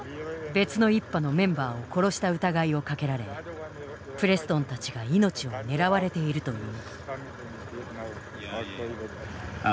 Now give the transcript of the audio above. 別の一派のメンバーを殺した疑いをかけられプレストンたちが命を狙われているという。